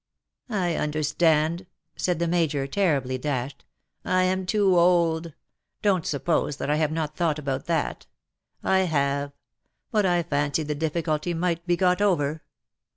" I understand/' said the Major, terribly dashed. '^ I am too old. Don't suppose that I have not thought about that. I have. But I fancied the difficulty might be got over.